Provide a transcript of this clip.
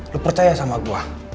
lo percaya sama gue